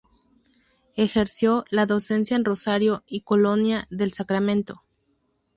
Ejerció la docencia en Rosario y Colonia del Sacramento.